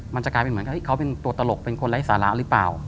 มันจะกลายเป็นเหมือนกับเขาเป็นตัวตลกเป็นคนไร้สาระหรือเปล่า